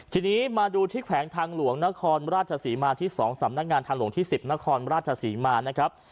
ทีนี้มาดูที่แขวงทางหลวงนครราชศรีมาที่๒สำนักงานทางหลวงที่๑๐นครราชศรีมานะครับ